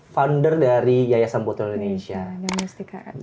founder dari yayasan putri indonesia the mustika ratu